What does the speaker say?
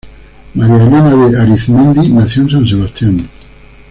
María Elena de Arizmendi nació en San Sebastián.